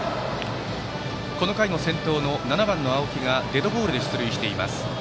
この回の先頭７番、青木がデッドボールで出塁しています。